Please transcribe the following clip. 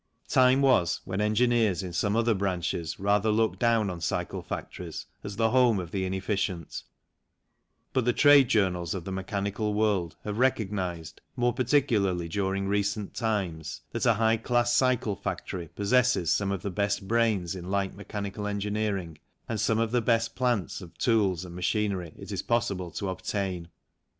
Time was when engineers in some other branches rather looked down on cycle factories as the home of the inefficient, but the trade journals of the mechanical world have recognized, more particularly during recent times, that a high class cycle factory possesses some of the best brains in light mechanical engineering, and some of the best plants of tools and machinery it is possible to obtain.